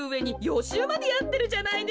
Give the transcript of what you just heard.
しゅうまでやってるじゃないですか。